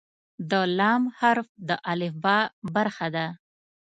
د "ل" حرف د الفبا برخه ده.